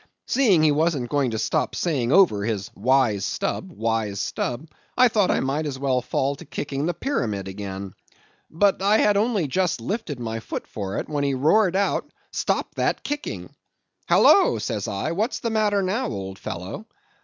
Seeing he wasn't going to stop saying over his 'wise Stubb, wise Stubb,' I thought I might as well fall to kicking the pyramid again. But I had only just lifted my foot for it, when he roared out, 'Stop that kicking!' 'Halloa,' says I, 'what's the matter now, old fellow?